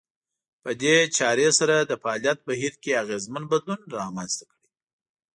په دې چارې سره د فعاليت بهير کې اغېزمن بدلون رامنځته کړي.